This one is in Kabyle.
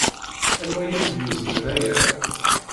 Anwa ay am-d-yuznen aya?